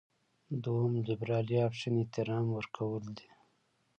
دوهم لېبرالي اپشن احترام ورکړل دي.